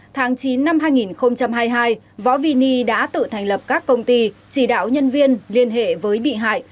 tháng chín năm hai nghìn hai mươi hai võ vini đã tự thành lập các công ty chỉ đạo nhân viên liên hệ với bị hại